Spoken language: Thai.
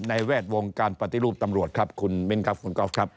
แวดวงการปฏิรูปตำรวจครับคุณมิ้นครับคุณกอล์ฟครับ